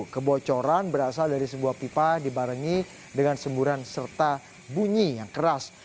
kebocoran berasal dari sebuah pipa dibarengi dengan semburan serta bunyi yang keras